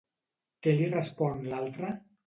Què li respon l'altre?